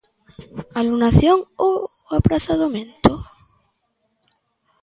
Anulación ou aprazamento.